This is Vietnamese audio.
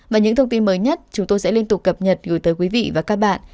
và những thông tin mới nhất chúng tôi sẽ liên tục cập nhật gửi tới quý vị và các bạn